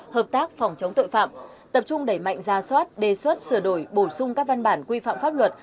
hợp tác phòng chống tội phạm tập trung đẩy mạnh ra soát đề xuất sửa đổi bổ sung các văn bản quy phạm pháp luật